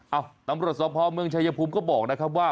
เอ้าตำรวจสภเมืองชายภูมิก็บอกนะครับว่า